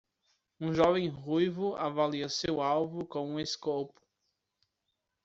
Um jovem ruivo avalia seu alvo com um escopo.